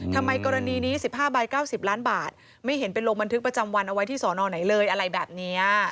ทำไมกรณีนี้๑๕ใบ๙๐ล้านบาทไม่เห็นไปลงบันทึกประจำวันเอาไว้ที่สอนอไหนเลยอะไรแบบนี้